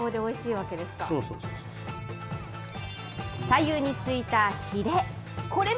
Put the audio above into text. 左右についたひれ。